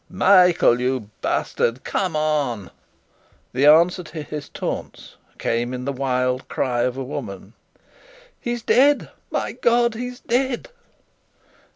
"Michael, you bastard! Come on!" The answer to his taunts came in the wild cry of a woman: "He's dead! My God, he's dead!"